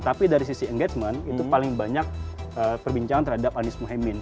tapi dari sisi engagement itu paling banyak perbincangan terhadap anies muhyemmin